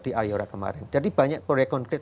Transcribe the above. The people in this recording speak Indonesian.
di ayora kemarin jadi banyak proyek konkret